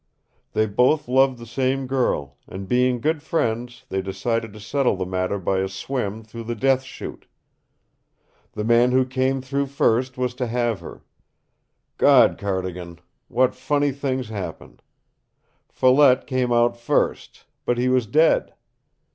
They both loved the same girl, and being good friends they decided to settle the matter by a swim through the Death Chute. The man who came through first was to have her. Gawd, Cardigan, what funny things happen! Follette came out first, but he was dead.